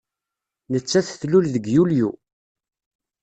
Nettat tlul deg Yulyu.